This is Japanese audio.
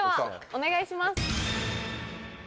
お願いします。